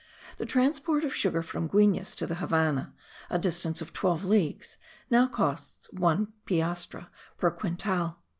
The transport of sugar from Guines to the Havannah, a distance of twelve leagues, now costs one piastre per quintal.